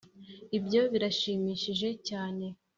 ibyo birashimishije cyane